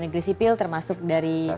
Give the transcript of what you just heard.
negeri sipil termasuk dari